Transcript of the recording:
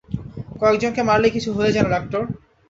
কয়েকজনকে মারলেই কিছু হয়ে যায় না, ডাক্তার।